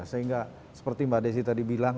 sehingga seperti mbak desi tadi bilang